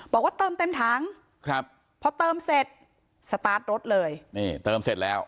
บอกว่าเติมเต็มถังครับพอเติมเสร็จสตาร์ทรถเลยนี่เติมเสร็จแล้ว